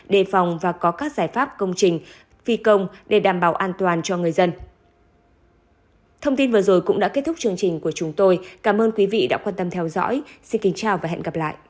đề phòng và có các giải pháp công trình phi công để đảm bảo an toàn cho người dân